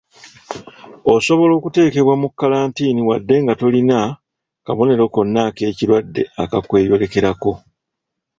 Osobola okuteekebwa mu kkalantiini wadde nga tolina kabonero konna ak’ekirwadde akakweyolekerako.